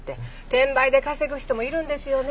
転売で稼ぐ人もいるんですよね。